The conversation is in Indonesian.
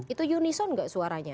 itu unison gak suaranya